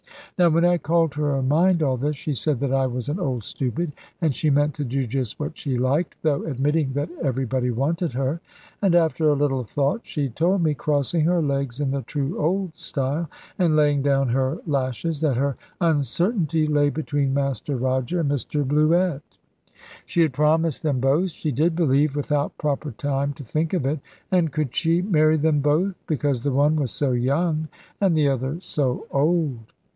Now, when I called to her mind all this, she said that I was an old stupid, and she meant to do just what she liked; though admitting that everybody wanted her. And after a little thought she told me, crossing her legs (in the true old style), and laying down her lashes, that her uncertainty lay between Master Roger and Mr Bluett. She had promised them both, she did believe, without proper time to think of it; and could she marry them both, because the one was so young and the other so old?